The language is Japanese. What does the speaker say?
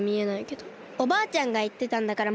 おばあちゃんがいってたんだからまちがいないって。